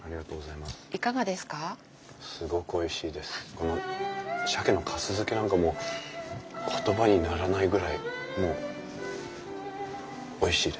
この鮭のかす漬けなんかもう言葉にならないぐらいもうおいしいです。